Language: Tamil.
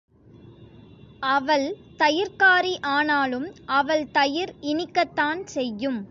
அவள் தயிர்க்காரி ஆனாலும் அவள் தயிர் இனிக்கத்தான் செய்யும்!